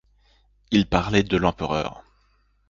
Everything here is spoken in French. Il parlait de l'empereur.